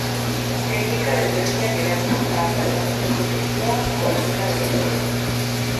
Teknika desberdinak erabiliz ahal da jatorrizko testua hala-nola berreskuratu.